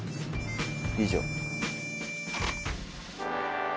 以上。